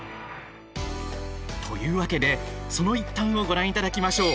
というわけで、その一端をご覧いただきましょう。